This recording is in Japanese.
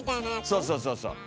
そうそうそうそう。